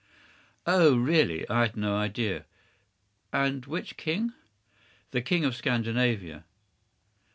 ” “Oh, really! I had no idea. And which king?” “The King of Scandinavia.